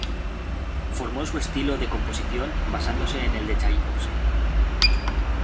Formó su estilo de composición basándose en el de Chaikovski.